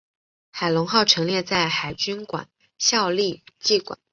海龙号陈列在海军官校史绩馆。